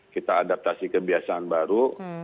kita adaptasi kebiasaan baru